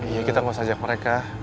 iya kita gak usah ajak mereka